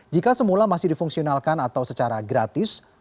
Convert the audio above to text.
jika semula masih difungsionalkan atau secara gratis